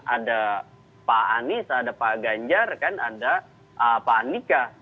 ada pak anies ada pak ganjar kan ada pak andika